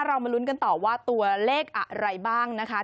เรามาลุ้นกันต่อว่าตัวเลขอะไรบ้างนะคะ